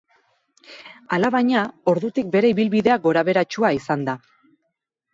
Alabaina ordutik bere ibilbidea gorabeheratsua izan da.